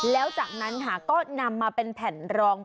แล้วจากนั้นค่ะก็นำมาเป็นแผ่นรอง